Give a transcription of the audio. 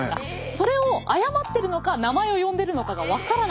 それを謝ってるのか名前を呼んでるのかが分からない。